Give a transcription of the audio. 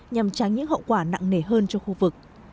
nhằm tránh những hậu quả nặng nề hơn cho khu vực